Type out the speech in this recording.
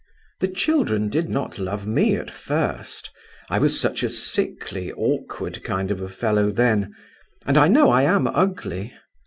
"The children did not love me at first; I was such a sickly, awkward kind of a fellow then—and I know I am ugly.